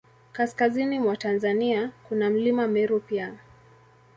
Kaskazini mwa Tanzania, kuna Mlima Meru pia.